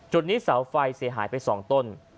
นี้เสาไฟเสียหายไป๒ต้น